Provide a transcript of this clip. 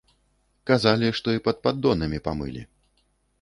Казалі, што і пад паддонамі памылі.